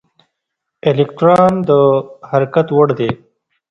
الکترون د حرکت وړ دی.